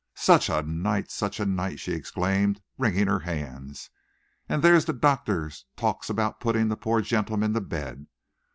"Such a night! Such a night!" she exclaimed, wringing her hands. "And there's the doctor talks about putting the poor gentleman to bed!